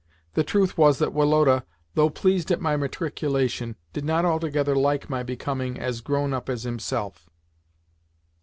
The truth was that Woloda, though pleased at my matriculation, did not altogether like my becoming as grown up as himself.